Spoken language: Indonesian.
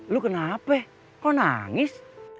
lu kenapa kau nangis